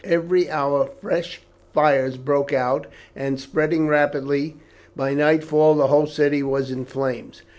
Every hour fresh fires broke out, and, spreading rapidly, by nightfall the whole city was in flames.